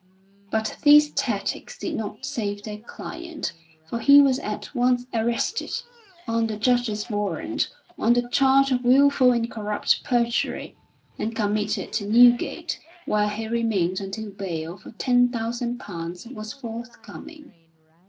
But these tactics did not save their client, for he was at once arrested, on the judge's warrant, on the charge of wilful and corrupt perjury, and committed to Newgate where he remained until bail for £10,000 was forthcoming.